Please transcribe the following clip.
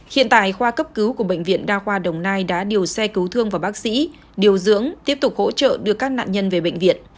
hiện tại khoa cấp cứu của bệnh viện đa khoa đồng nai đã điều xe cứu thương và bác sĩ điều dưỡng tiếp tục hỗ trợ đưa các nạn nhân về bệnh viện